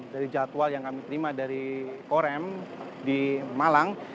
dari jadwal yang kami terima dari korem di malang